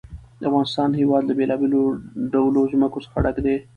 د افغانستان هېواد له بېلابېلو ډولو ځمکه څخه ډک دی.